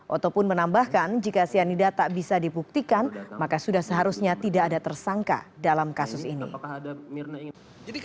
oto pun menambahkan jika cyanida tak bisa dibuktikan maka sudah seharusnya tidak ada tersangka dalam kasus ini